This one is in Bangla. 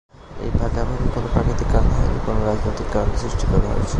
এই ভাগাভাগি কোনো প্রাকৃতিক কারণে হয়নি, বরং রাজনৈতিক কারণে সৃষ্টি করা হয়েছে।